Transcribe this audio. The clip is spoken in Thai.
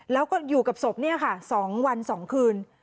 แล้วก็อยู่กับศพเนี่ยค่ะ๒วัน๒คืน